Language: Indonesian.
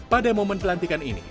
pada momen pelantikan ini